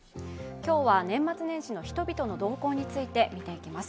今日は年末年始の人々の動向について見ていきます。